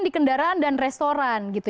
di kendaraan dan restoran gitu